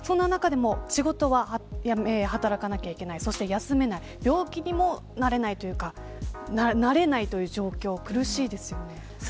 そんな中でも仕事は働かないといけないそして休めない病気にもなれないというかなれないという状況苦しいですよね。